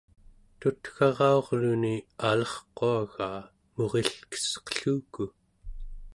tutgara'urluni alerquagaa murilkesqelluku